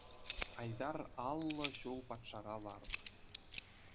Айтар аллӑ ҫул патшара ларнӑ.